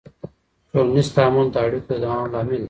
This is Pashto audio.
ټولنیز تعامل د اړیکو د دوام لامل دی.